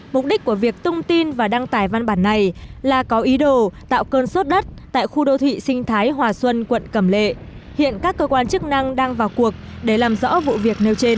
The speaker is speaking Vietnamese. mục đích của việc tung tin và đăng tải văn bản này là có ý đồ tạo cơn sốt đất tại khu đô thị sinh thái hòa xuân quận cẩm lệ hiện các cơ quan chức năng đang vào cuộc để làm rõ vụ việc nêu trên